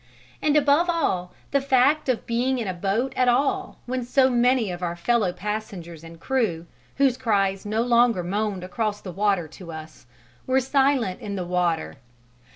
and above all the fact of being in a boat at all when so many of our fellow passengers and crew whose cries no longer moaned across the water to us were silent in the water.